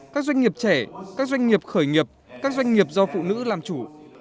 các doanh nghiệp trẻ các doanh nghiệp khởi nghiệp các doanh nghiệp do phụ nữ làm chủ